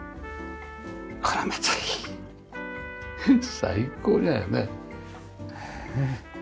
最高だよねねえ。